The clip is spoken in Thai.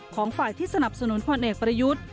ของฝ่ายที่สนับสนุนพลเอกประยุทธ์